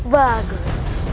bagus